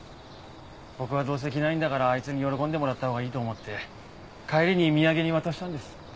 僕はどうせ着ないんだからあいつに喜んでもらった方がいいと思って帰りに土産に渡したんです。